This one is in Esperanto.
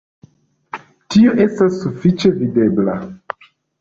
Tio estas sufiĉe videbla.